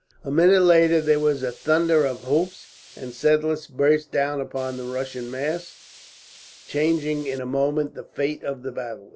A minute later there was a thunder of hoofs, and Seidlitz burst down upon the Russian mass, changing in a moment the fate of the battle.